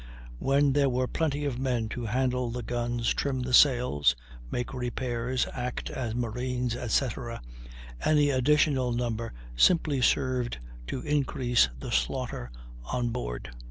When there were plenty of men to handle the guns, trim the sails, make repairs, act as marines, etc., any additional number simply served to increase the slaughter on board.